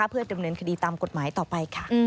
เพื่อดำเนินคดีตามกฎหมายต่อไปค่ะ